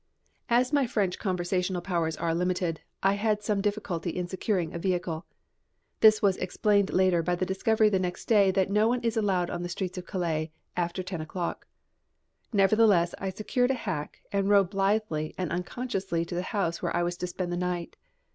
As my French conversational powers are limited, I had some difficulty in securing a vehicle. This was explained later by the discovery the next day that no one is allowed on the streets of Calais after ten o'clock. Nevertheless I secured a hack, and rode blithely and unconsciously to the house where I was to spend the night.